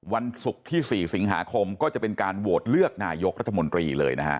วันศุกร์ที่๔สิงหาคมก็จะเป็นการโหวตเลือกนายกรัฐมนตรีเลยนะฮะ